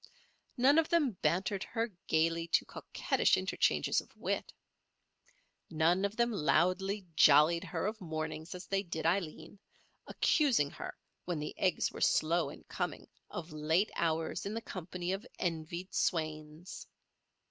None of them bantered her gaily to coquettish interchanges of wit. None of them loudly "jollied" her of mornings as they did Aileen, accusing her, when the eggs were slow in coming, of late hours in the company of envied swains.